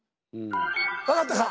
分かったか？